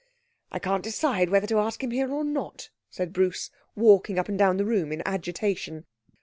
'I can't decide whether to ask him here or not,' said Bruce, walking up and down the room in agitation.